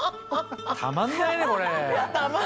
たまんないねこれ。